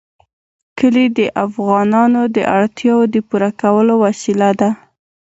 کلي د افغانانو د اړتیاوو د پوره کولو وسیله ده.